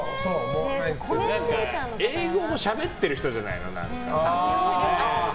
英語もしゃべってる人じゃないの？